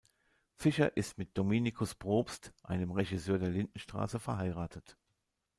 Fischer ist mit Dominikus Probst, einem Regisseur der "Lindenstraße", verheiratet.